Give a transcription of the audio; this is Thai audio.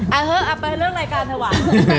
เอาเหอะไปเลือกรายการเถอะหวาน